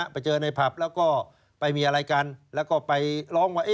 ไปเจอในผับแล้วก็ไปมีอะไรกันแล้วก็ไปร้องว่า